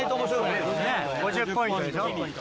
５０ポイントでしょ。